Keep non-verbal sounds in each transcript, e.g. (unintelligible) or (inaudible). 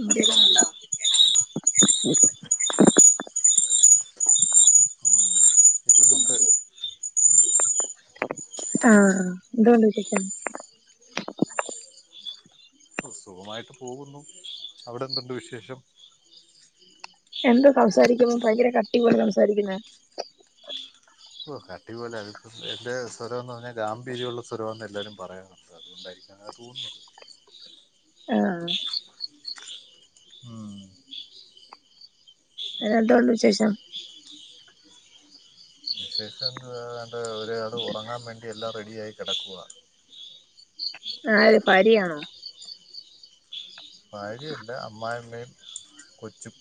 ഉം കേക്കുന്നുണ്ടോ (unintelligible) ആഹ് എന്തുണ്ട് വിശേഷം? സുഖമായിട്ട് പോകുന്നു. അവിടെന്തുണ്ട് വിശേഷം? എന്താ സംസാരിക്കുമ്പോ ഭയങ്കര കട്ടി പോലേ സംസാരിക്കുന്ന? ഓ കട്ടി പോലെ. അ എന്റെ സ്വരം ന്ന് പറഞ്ഞാ ഗാംഭീര്യള്ള സ്വരംന്ന എല്ലരും പറയണേ. അതുകൊണ്ടായിരിക്കാം അങ്ങനെ തോന്നുന്ന ആഹ ഉം എന്തുണ്ട് വിശേഷം വിശേഷം എന്ത് എൻ്റെ ഒരാൾ ഉറങ്ങാൻ വേണ്ടി എല്ലാം റെഡിയായി കിടക്കവാ ആര് ഭാര്യ ആണോ ഭാര്യയല്ല അമ്മായിമ്മയും കൊചും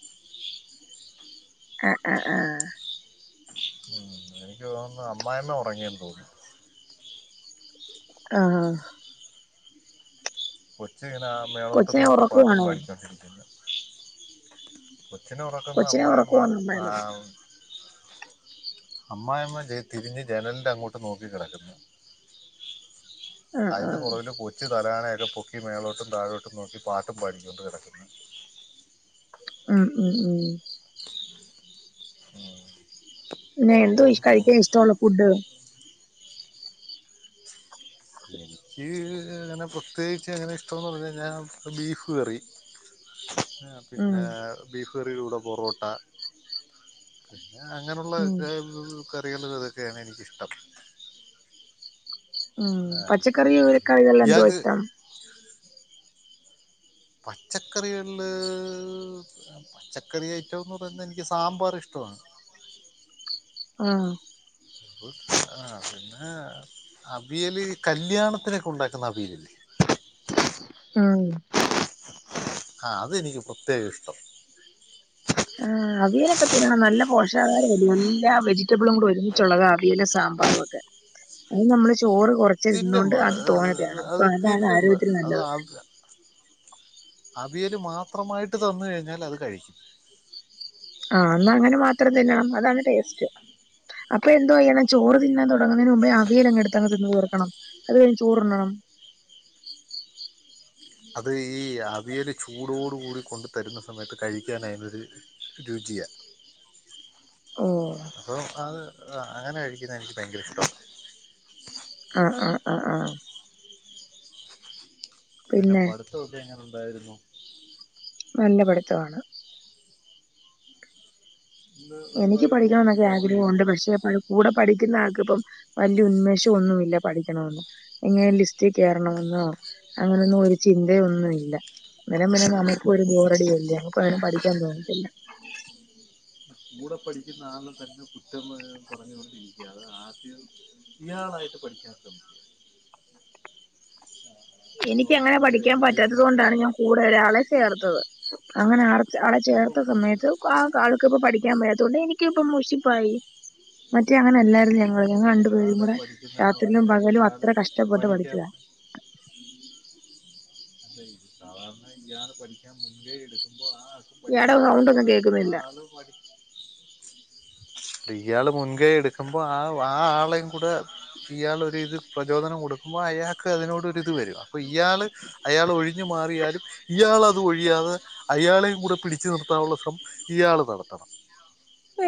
അ ആ ആ ഉം എനിക്ക് തോന്നുന്നത് അമ്മായി അമ്മ ഉറങ്ങിയെന്ന് തോന്നുന്നു ആഹ ആ കൊച്ച് ഇങ്ങനെ മേലോട്ടും കൊച്ചിനെ നോക്കി ഉറക്കുവാണോ പട്ടുംപാടി കൊണ്ടിരിക്കുന്ന കൊച്ചിനെ ഉറക്കുന്നത് കൊച്ചിനെ അമ്മായിഅമ്മ ഉറക്കുവാണോ അമ്മായിമ്മ ആഹ് അമ്മായിമ്മ ദേ തിരിഞ്ഞ് ജനലിന്റെ അങ്ങോട്ട് നോക്കി കിടക്കുന്ന് (inaudible) അതിന്റെ ആഹ് പുറകില് കൊച്ച് തലണയൊക്കെ പൊക്കി മേളോട്ടും താഴോട്ടും നോക്കി പാട്ടും പാടിക്കൊണ്ട് കിടക്ക്ന്ന് ഉം ഉം ഉം ഉം ഇപ്പൊ പിന്നെ എന്തോ ഉറങ്ങുവെന്ന് കഴിക്കാൻ തോന്നുന്നു ഇഷ്ടുള്ള ഫുഡ് എനിക്ക് അങ്ങനെ പ്രത്യേകിച്ച് അങ്ങനെ ഇഷ്ട്ടന്ന് പറഞ്ഞ്കഴിഞ്ഞ ബീഫ് കറി പിന്നെ ഉം പിന്നെ ബീഫ് കറയിടെകൂടെ പൊറോട്ട പിന്നെ അങ്ങനെയുള്ള ഉം (unintelligible) കറികൾ ഇതൊക്കെയാണ് എനിക്കിഷ്ടം ഉം ആഹ് പച്ചക്കറിയ പിന്നെ ഇക്കായ ഇതല്ലോ എന്തോ ഇയാൾക്ക് ഇഷ്ടം പച്ചക്കറികളിൽ പച്ചക്കറി ഐറ്റം ന്ന് പറയുന്നത് എനിക്ക് സാമ്പാർ ഇഷ്ടമാണ് ആഹ (unintelligible) പിന്നെ അവിയല് കല്യാണത്തിനൊക്കെ ഉണ്ടാക്കുന്ന അവിയലില്ലെ ഉം ആ അതെനിക്ക് പ്രത്യേകം ഇഷ്ട്ടം ആ അവിയലൊക്കെ പിന്നെ നല്ല പോഷാഹാരം എല്ലാ വെജിറ്റബിളും കൂടി ഒരുമിച്ചുള്ളതാ അവിയൽ സാ ക്കെ പിന്നെ നമ്മള് ചോറ് കുറ തിന്നും ആഹ്ഹ് അത് തിന്നും ആരോഗ്യത്തിന് അത് നല്ലത് ആദ്യ അവിയല് മാത്രമായിട്ട് തന്ന് കഴിഞ്ഞാൽ അത് കഴിക്കും ആഹ ന്ന അങ്ങനെ മാത്രം തിന്നണം അതാണ് ടേസ്റ്റ് അപ്പൊ എന്തോയ്യണം ചോറ്തിന്നാൻ തുടങ്ങതിന് മുമ്പേ അവിയൽ അങ്ങെടുത്ത് തിന്ന് തീർക്കണം അതുകഴിഞ്ഞ് ചോറുണ്ണണം അത് ഈ അവിയൽ ചൂടോടു കൂടി കൊണ്ടു തരുന്ന സമയത്ത് കഴിക്കാനതിനൊരു രുചിയ ഓ (inaudible) ആ ആ ആ ആ പിന്നെ പഠിത്തൊക്കെ എങ്ങനെ ഉണ്ടായിരുന്നു നല്ല പഠിത്തമാണ് ഇന്ന് എനിക്ക് ഒരുപാട് പഠിക്കണം ടോപ്പിക്ക് എന്നൊക്കെ നല്ല കവർ ചെയ്തു ആഗ്രഹമുണ്ട് പക്ഷെ കൂടെ പഠിക്കുന്ന ആൾക്ക് ഇപ്പം വലിയ ഉന്മേഷം ഒന്നുമില്ല പഠിക്കണമന്ന് എങ്ങനെ ലിസ്റ്റ് കേയറണമെന്നോ അങ്ങനൊന്നും ഒരു ചിന്തയൊന്നും ഇല്ല അന്നെരം പിന്നെ നമുക്ക് ഒരു ബോറടിയല്ലേ നമുക്ക് പഠിക്കാൻ തോന്നതില്ല കൂടെ പഠിക്കുന്ന ആളെ തന്നെ കുറ്റം പറഞ്ഞുകൊണ്ടിരിക്കുക അത് ആദ്യം ഇയാളായിട്ട് പഠിക്കാത്തും എനിക്ക് അപ്പം എങ്ങനെ ഒരു പഠിക്കാൻ ഒരു പറ്റാത്തത് ഇതിനകത്ത് കൊണ്ടാണ് ഞാൻ കൂടെ ഒരാളെ ചേർത്തത് അങ്ങനെ ആർ ആ അപ്പോൾ ചേർത്ത കൂടെ സമയത്ത് കാ എനിക് ഇപ്പോ പഠിക്കാൻ വയ്യാതോണ്ട് എനിക്കിപ്പോ മുഷിപ്പായി മറ്റേ അങ്ങനെ എല്ലാരുന്നു ഞങ്ങ ആഹ് ഞങ്ങള് രണ്ടു പേരും ഇയാള് കൂടെ പഠിക്കുന്നെന്ന് പറഞ്ഞു രാത്രിയിലും കഴിഞ്ഞാൽ പകലും ഇയാള് അത്ര കഷ്ടപ്പെട്ട് പഠിക്കാൻ പഠിച്ചതാ സാധാരണ ഇയാള് പഠിക്കാൻ മുൻ കൈ എടുക്കുമ്പോ ആ ആൾക്ക് ഇയാടെ പഠിക്കാൻ സൗണ്ട് ഒന്നും നല്ലതാണ് ആ കേൾക്കുന്നില്ല ആളും പഠി ഇയാള് മുൻകൈ എടുക്കുമ്പോ ആ ആ ആളെയും കൂടെ ഇയാളൊ ഒരു ഇത് പ്രചോദനം കൊടുക്കുമ്പോൾ അയാൾക്ക് അതിനോടൊരിത് വരും അപ്പോൾ ഇയാൾ അയാൾ ഒഴിഞ്ഞ് മാറിയാലും ഇയാളത് ഒഴിയാതെ അയാളെയും കൂടെ പിടിച്ചു നിർത്താനുള്ള ശ്രമം ഇയാൾ നടത്തണം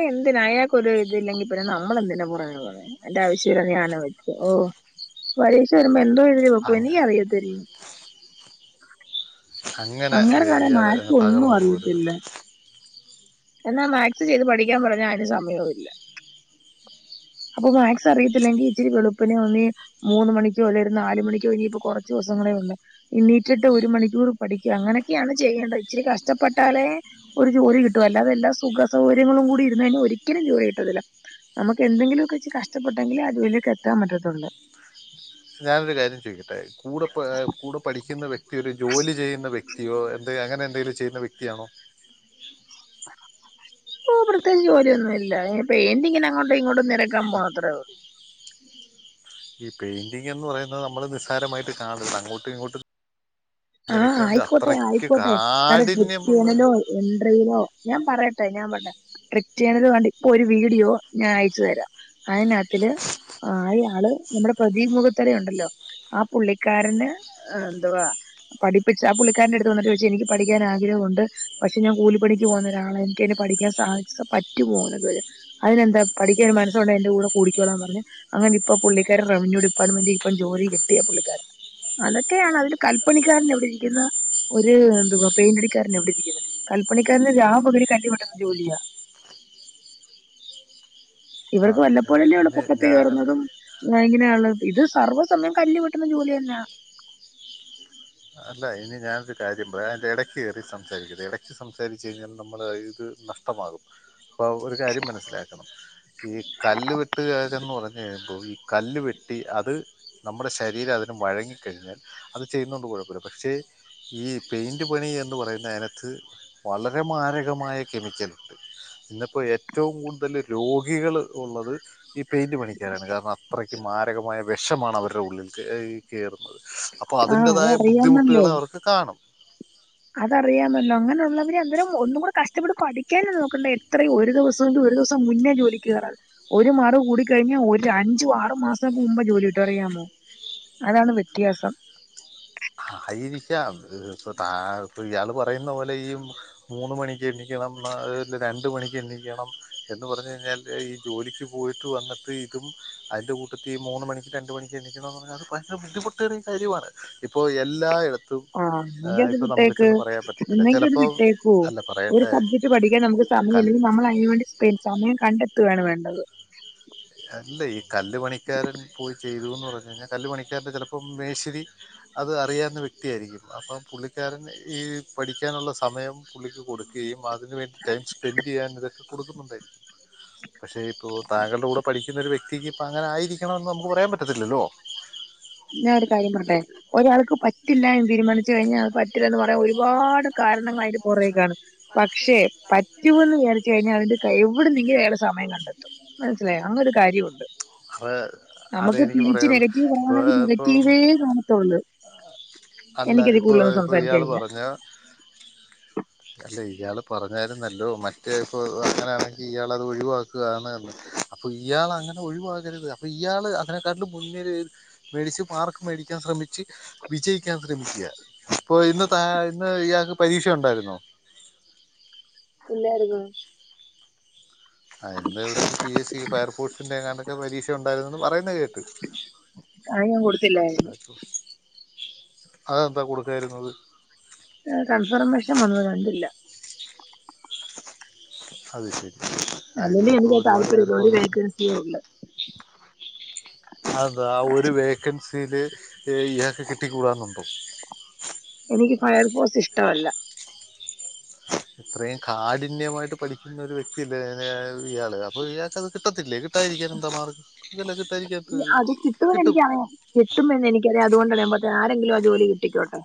എന്തിനാ അയാൾക്ക് ഒരു ഇതില്ലെങ്കിൽ പിന്നെ നമ്മളെന്തിനാ പുറകെ പൊന്നെ എന്റെ ആവശ്യല്ല ഞാനും വെച്ചു ഓഹ് പരീക്ഷ വരുമ്പോ എന്തോ എഴുതിവെക്കു അങ്ങ എനിക്കറിയത്തില്ല. അങ്ങനെ കാണെ ഇയാള് മായക്ക് ഒന്നും തകർന്നു പോകരുത് അറിയത്തില്ല. എന്നാ മാത്സ് ചെയ്ത് പഠിക്കാൻ പറഞ്ഞ അതിന് സമയവും ഇല്ല അപ്പൊ മാക്സ് അറിയത്തില്ലെങ്കിൽ ഇച്ചിരി വെളുപ്പിനെ ഒന്നി മൂന്ന് മണിക്കോ അല്ലെ ഒരു നാലുമണിക്കോ ഇനിയിപ്പോ കുറച്ച് ദിവസങ്ങളേ ഉള്ളു ഇണീറ്റട്ട് ഒരു മണിക്കൂർ പഠിക്കും അങ്ങനൊക്കെയാണ് ചെയ്യേണ്ടത് ഇച്ചരി കഷ്ടപ്പെട്ടാലേ ഒരു ജോലി കിട്ടും അല്ലാതെ എല്ലാ സുഖ സൗകര്യങ്ങളും കൂടി ഇരുന്ന് കയിഞ്ഞാൽ ഒരിക്കലും ജോലി കിട്ടത്തില്ല നമുക്ക് എന്തെിലുമൊക്കെച്ച് കഷ്ടപ്പെട്ടങ്കിൽ അരുലേക്ക് എത്താ പറ്റത്തുള് ഞാനൊരു കാര്യം ചെയോയിട്ടെ കൂടെ കൂടെ പഠിക്കുന്ന വ്യക്തി ഒരു ജോലി ചെയ്യുന്ന വ്യക്തി വക്തിയോ എന്ത് അങ്ങനെ എന്തെലും ചെയ്യുന്ന വ്യക്തിയാണോ ഓഹ് പ്രത്യേകം ജോലിയൊന്നുമില്ല ഇല്ല പെഎന്റിങിൻ ഇങ്ങനെ അങ്ങോും ഇങ്ങോട്ടും നിരക്കാൻ പോണത്ര ഉള്ളു ഈ പെയിന്റിംഗ് എന്ന് പറയുന്നത് നമ്മള് നിസ്സാരമായിട്ട് കാണർത് അങ്ങോട്ടും ഇങ്ങോട്ടും ആഹ് നിനക്ക് അത് ആയിക്കോട്ടെ അത്രയ്ക്ക് ആയിക്കോട്ടെ ഞാന് കാഠിന്യമുള്ള ട്രിപറ്റ്ണല്ലോ എൻട്രിയിലെ ഞാൻ പറയട്ടെ ഞാൻ പറയട്ടെ റിക്ട് ചെയ്യുന്നതിനു വാണ്ടി ഇപ്പൊ ഒരു വീഡിയോ ഞാൻ അയച്ചു തരാം. അതിനാത്തില് ആഹ് അയാള്. നമ്മുടെ പ്രതിപ് മുഖത്തരുണ്ടല്ലോ ആ പുള്ളിക്കാരന് എന്തുവാ പഠപ്പിച്ച് ആ പുള്ളിക്കാരന്റെ അടുത്ത് വന്ന് ചോദിചു എനിക്ക് പഠിക്കൻ ആഗ്രഹമുണ്ട് പക്ഷെ ഞാൻ കൂലിപ്പണിക്ക് പോകുന്ന ഒരാളാ എനിക്ക് അയിന് പഠിക്കാൻ സാധി പറ്റുമോ അതിനെന്താ പഠിക്കാൻ ഒരു മനസ്സുണ്ട എന്റെ കൂടെ കൂടിക്കോളാൻ പറഞ്ഞു അങ്ങനെ ഇപ്പൊ പുള്ളിക്കാരും റവന്യൂ ഡിപ്പാർട്ട്മെന്റ് ഇപ്പം ജോലി കിട്ടിയ പുള്ളിക്കാരന് അതൊക്കെയാണ് അത് കല് പുള്ളിക്കാരന് എവിടെ ഇരിക്കുന്നു ഒരു എന്തുവാ പേൻ്റടിക്കാരൻ എവിടെ ഇരിക്കുന്നു കല്പ്പണിക്കാരന്റെ രാ പകൽ കല്ലുവേട്ടുന്ന ജോലിയാ ആ ഇവർക്ക് വല്ലപ്പോഴല്ലെയൊള്ളു പൊക്കത് ഞാൻ കയറുന്നതും ഇങ്ങനെയ ഉള്ളത് ഇത് സർവ്വ സമയം കല്ല് വെട്ടുന്ന ജോലി തന്നെയ അല്ല ഇനി ഞാനൊരു കാര്യം പറയാം അതിൻ്റെ ഇടയ്ക്ക് കയറി സംസാരിക്കല്ലെ ഇടയ്ക്ക് സംസാരിച് കഴിഞ്ഞാൽ നമ്മൾ ഇത് നഷ്ടം ഒക്കെ മാറും അപ്പോൾ ഒരു കാര്യം മനസ്സിലാക്കണം ഈ കല്ല് വെട്ടുകാരന്ന് പറഞുകയിഞാൽ ഈ കല്ല് വെട്ടി അത് നമ്മുടെ ശരീരം അതിന് വഴങ്ങിക്കഴിഞ്ഞാൽ അത് ചെയ്യുന്ന കൊണ്ട് കുഴപ്പും ഇല്ല പക്ഷേ ഈ പെയിൻറ് പണി എന്ന് പറയുന്ന അതിനത്ത് വളരെ മാരകമായ കെമിക്കലിടു ഇന്ന ഇപ്പോൾ ഏറ്റവും കൂടുതൽ രോഗികൾ ഉള്ളത് ഈ പെയിൻറ് പണിക്കാരാണ് കാരണം അ അത്രക്ക് മാരകമായ വെഷമാണ് അവരുടെ ഉള്ളിൽ കേ, കേറുന്നത് അപ്പോ ആ അതിന്റെതായ ബുദ്ധിമു അതറിയാമല്ലോ ക്കെകാണും. അതറിയാമല്ലോ അങ്ങനഉള്ളവര് അന്തേരം ഒന്നുംകൂട കഷ്ടപ്പെട്ട് പഠിക്കാനും നോക്കണ്ടെ എത്രയും ഒരു ദെവസ (unintelligible) ഒരു ദെവസം മുന്നേ ജോലിക്ക് കേറാ ഒരു മാറവ് കൂടി കഴിഞ്ഞാ ഒര് അഞ്ചു ആറ് മാസം മുമ്പ് ജോലി കിട്ടു അറിയാമോ. അതാണ് വ്യത്യാസം. ആയിരിക്കാം ഇപ്പൊ താ ഇപ്പൊ ഇയാള് പറയുന്ന പോലെ ഈയും മൂന്ന് മണിക്ക് എണിക്കണം ന തില് രണ്ട് മണിക്ക് എണിക്കണം എന്ന് പറഞ്ഞു കഴിഞ്ഞാൽ ഈ ജോലിക്ക് പോയിട്ട് വന്നിട്ട് ഇതും അയിൻ്റെ കൂട്ടത്തി ഈ മൂന്ന് മണി, രണ്ട് മണി ജനിക്കണം പറഞ്ഞ അത് ഭയങ്കര ബുദ്ധിമുട്ടേ ഒരു കാര്യണ് ഇപ്പോ എല്ലായിടത്തും ആഹ് അത് ഇപ്പോൾ നമുക്ക് വിട്ടേക്ക് ചെന്ന് പറയാൻ പറ്റത്തില്ല എന്നങ്കി അത് ചിലപ്പോൾ വിട്ടേക്കോ അല്ല ഒരു പറയട്ടെ സബ്ജക്ട് പഠിക്കാൻ നമുക്ക് സമയം കൽ ഇല്ലെങ്കിൽ നമ്മൾ അതിനവേണ്ടി സ്പെ സമയം കണ്ടെത്തുകയാണ് വേണ്ടത് അല്ല ഈ കല്ല് പണിക്കാരൻ പോയി ചെയ്തുന്ന് പറഞ്ഞു കഴിഞ്ഞാൽ കല്ല് പണിക്കാരന്റെ ചിലപ്പം മേശ്ശിരി അത് അറിയാവുന്ന വ്യക്തിയായിരിക്കും അപ്പം പുള്ളിക്കാരൻ ഈ പഠിക്കാനുള്ള സമയം പുള്ളിക്ക് കൊടുക്കയും അ അതിന്ന് വേണ്ടി ടൈം സ്പെൻഡ് ചെയ്യാൻ ഞ്ഞത് കൊടുക്കുന്നുണ്ടായിരിക്കും പക്ഷേ ഇപ്പോൾ താങ്കളുടെ കൂടെ ഇരിക്കുന്ന ഒരു വക്തിക്ക് ഇപ്പ അങ്ങന ആയിരിക്കണം എന്നു നമുക്ക് പറയാൻ പറ്റത്തില്ലല്ലോ ഞാൻ ഒരു കാര്യം പറട്ടെ ഒരാൾക്ക് പറ്റില്ല എന്ന് തീരുമാനിച്ചു കഴിഞ്ഞാൽ ആഹ് പ ന്ന് പറയാ ഒരുപാട് കാരണങ്ങളായിട്ട് പുറേക്കാണ് പക്ഷെ പറ്റുമന്ന് വിചാരി കഴിഞ്ഞാൽ അതിന്റെ കൈ എവിട നിങ്കും വേറെ സമം കണ്ടെത്തും മനസിലായ അങ്ങനെ ഒരു കാര്യമുണ്ട് അത് അതേ നമ്മക്ക് എനിക്ക് തിരിച്ചു പറയാനുള്ളൂ നെഗറ്റീവ് പറയാ ഇപ്പോൾ (unintelligible) ഇപ്പോൾ നെഗറ്റീവേ കാണത്തുള്ളൂ എനിക്കത് കൂടുതലൊന്നും സംസാരിക്കാനില്ല പിന്ന അല്ല ഇയാൾ പറഞ്ഞരുന്നല്ലോ മറ്റേ ഇപ്പോ അങ്ങനൊണെങ്കി ഇയാൾ അത് ഒഴിവാക്കുകാണ്ല്ലത് അപ്പൊ ഇയാൾ അങ്ങനെ ഒഴിവാകരുത് അപ്പൊ ഇയാള് അതിനെക്കാട്ടും മുന്നില് മേഡിസിം മാർക്ക മേടിക്കാൻ ശ്രമിച്ച് വിജയിക്കാൻ ശ്രമിക്കുക ഇപ്പൊ ഇന്ന് ത ഇന്ന് ഇയാൾക്ക് പരീക്ഷ ഉണ്ടായിരുന്നോ പില്ലർരുന്നു ആല്ല ഇവിടെ പി എസ് സി ഫയർഫോഴ്സിന്റെ എങ്ങാണ്ട് പരീക്ഷ ഉണ്ടായിരുന്നന്നും പറയ്ന്ന കേട്ട് അയ് ഞാൻ കൊടുത്തില്ലായിരുന്നു അതെന്താ കൊടുക്കായിരുന്നത് കൺഫർമേഷൻ വന്നു കണ്ടില്ല അത് ശരി അല്ലങ്കല് അതിലിപ്പോ എനിക്ക് ഒരുപാട് പേർക്ക് താല്പര്യത്തോടി വന്നു വൈക്കൻസിയേ ഉള്ള അതാ ഒരു വേക്കൻസിൽ ഇയാക്ക് കിട്ടിക്കൂടാ ന്നുണ്ടോ എനിക്ക് ഫയർഫോഴ്സ് ഇഷ്ടമല്ല ഇത്രയും കാഠിന്യമായിട്ട് പഠിക്കുന്നൊ ഒരു വ്യക്തിയല്ലേ ഇയാള് അപ്പൊ ഇയാൾക്ക്ത് കിട്ടത്തില്ലേ കിട്ടായിരിക്കാന് എന്താ മാർഗ്ഗം ഇതെല്ലാം കിട്ടാരിക്കാതത്ത് കിട്ടും കട്ടുമെന്ന് എനിക്കറിയ അതുകൊണ്ടാണമ്പേ ആരെങ്കിലും ആഹ് ചോലി കിട്ടിക്കോട്ടെ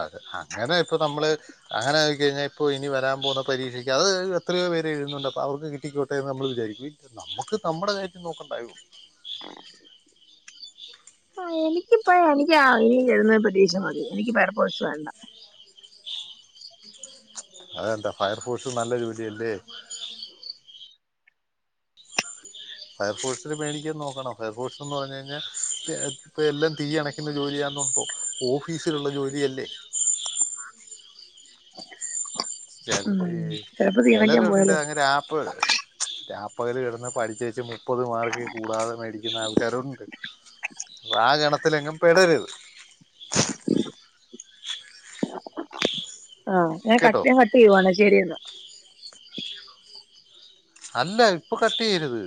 അതെ അങ്ങനെ ഇപ്പൊ നമ്മള് അങ്ങനെ നോക്കി കഴിഞ്ഞാൽ ഇപ്പോ ഇനി വരാൻ പോുന്ന പരീക്ഷയ്ക്ക് അത് എത്രയോ പേര് എഴുതുന്നുണ്ട് അപ അവർക്ക് കിട്ടിക്കോട്ട നമ്മൾ വിചാരിക്കും നമ്മക്ക് നമ്മ കാര്യം നോക്കണ്ടായോ ആഹ് എനിക്കിപ്പ എനിക്ക് ഇനി (unintelligible) പ്രതീക്ഷ മതി എനിക്ക് വേറെ കോയിസ് വേണ്ട അതെന്താ ഫയർഫോഴ്സും നല്ല ജോലിയല്ലേ ഫയർഫോഴ്സിന് മേടിക്കാൻ നോക്കണം ഫയർഫോഴ്സ്ന്ന് പറഞ്ഞ് കഴിഞ്ഞാൽ ഇപ്പോൾ എല്ലാം തീ അണക്ക ജോലിയാന്നോപ്പോ ഓഫീസിലുള്ള ജോലിയല്ലേ ഉം ചെലര് ചിലപ്പോ തീർണിക്കാൻ ചിലരുണ്ട് പോയാലോ അങ്ങനെ രാപ്പ് രാപ്പകൽ കിടന്ന് പഠിചേച്ച് മുപ്പത് മാർക്ക് കൂടാതെ മേടിക്കുന്ന ആൾക്കാരുണ്ട് അപ്പൊ ആ ഗണത്തിലെങ്ങും പെടരുത് (inaudible) ആഹ് ഞാൻ കേട്ടോ കട്ട് കട്ട് ചെയ്യുവണെ ശരിയന്ന അല്ല ഇപ്പൊ കട്ട് ചെയ്യരുത്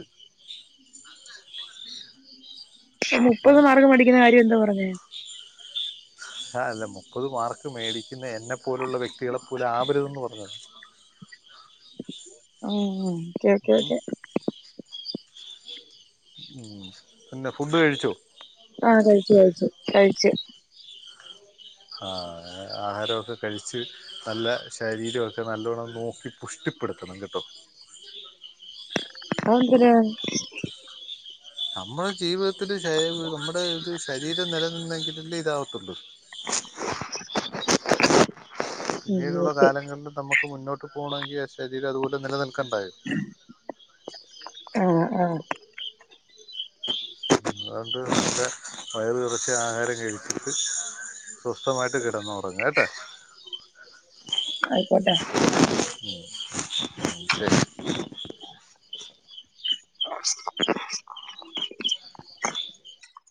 ഏ മുപ്പത് മാർക്ക്‌ മേടിക്കുന്ന കാര്യം എന്തുവാ പറഞ്ഞെ ആഹ് അല്ല മുപ്പത് മാർക്ക് മേടിക്കുന്ന എന്നെ പോലുള്ള വ്യക്തികളെപ്പോലെ ആവരുതെന്ന് പറഞ്ഞതാ ഉ ക്കെ ക്കെ ഉം ക്കെ ഉം പിന്നെ ഫുഡ് കഴിച്ചോ ആഹ് കഴിച്ചു കഴിച്ചു കഴിച്ച് ആഹ് ആഹാരക്കെ കഴിച്ച് നല്ല ശരീരമൊക്കെ നല്ലവണം നോക്കി പുഷ്ടിപ്പെടുത്തണം കേട്ടോ അതെന്തിനാ നമ്മുടെ ജീവിതത്തില് ശരീര നമ്മുടെ ഒരു ശരീരം നിലനിന്നെങ്കിലേ ഇതാവത്തുള്ളൂ (inaudible) ഉം പിന്നീടുള്ള ഓക്കെ കാലങ്ങളിലും നമുക്ക് മുന്നോട്ട് പോണെങ്കി ആഹ് ശരീരം അതുപോലെ നിലനിൽക്കേണ്ടെ ആഹ് ആഹ് (inaudible) (unintelligible) നമ്മുടെ വയറ് നറച്ച് ആഹാരം കഴിച്ചിട്ട് സ്വസ്ഥമായിട്ട് കിടന്നുറങ്ങ് കേട്ട ആയിക്കോട്ടെ മം മ്മ് ശരി